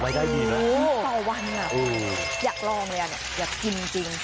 ได้ดีนะต่อวันอยากลองเลยอ่ะเนี่ยอยากกินจริง